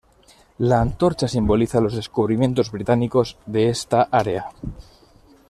La antorcha simboliza los descubrimientos británicos de esta área.